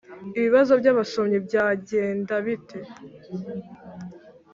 Ibibazo by abasomyi Byagenda bite